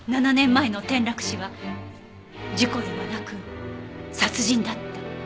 ７年前の転落死は事故ではなく殺人だった。